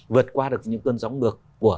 vượt qua được những cơn gió ngược của